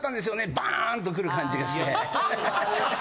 バーンとくる感じがして。